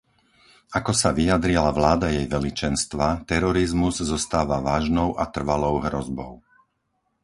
Ako sa vyjadrila vláda Jej Veličenstva, terorizmus zostáva vážnou a trvalou hrozbou.